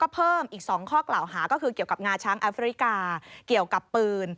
เพิ่มอีก๒ข้อกล่าวหาก็คือเกี่ยวกับงาช้างแอฟริกาเกี่ยวกับปืน